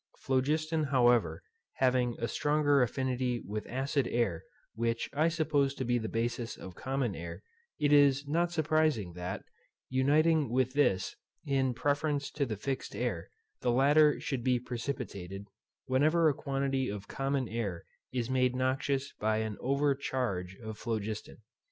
Phlogiston, however, having a stronger affinity with acid air, which I suppose to be the basis of common air, it is not surprising that, uniting with this, in preference to the fixed air, the latter should be precipitated, whenever a quantity of common air is made noxious by an over charge of phlogiston.